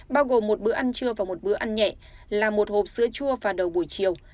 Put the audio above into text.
bao gồm một bữa ăn trưa và một bữa ăn nhẹ là một hộp sữa chua vào đầu buổi chiều